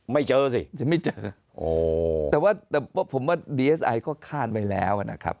ไม่เจอสิไม่เจอแต่ว่าแต่ว่าผมว่าดีเอสไอก็คาดไว้แล้วนะครับ